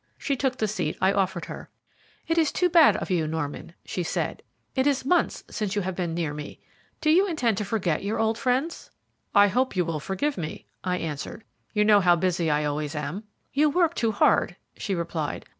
She took the seat I offered her. "It is too bad of you, Norman," she said; "it is months since you have been near me. Do you intend to forget your old friends?" "I hope you will forgive me," I answered; "you know how busy I always am." "You work too hard," she replied.